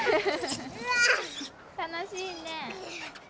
楽しいね。